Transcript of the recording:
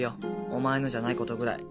お前のじゃないことぐらい。